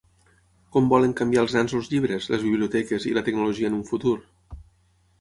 Com volen canviar els nens els llibres, les biblioteques i la tecnologia en un futur?